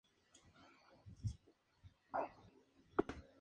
Deciden descansar en una parada, en donde realizan escándalo y deben irse.